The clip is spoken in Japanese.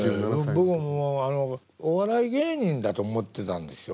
僕もうお笑い芸人だと思ってたんですよ。